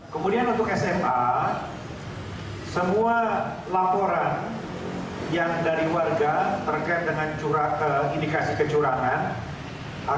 kemudian untuk sma semua laporan yang dari warga terkait dengan indikasi kecurangan